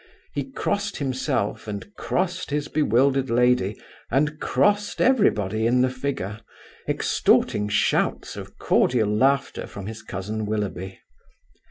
He crossed himself and crossed his bewildered lady, and crossed everybody in the figure, extorting shouts of cordial laughter from his cousin Willoughby.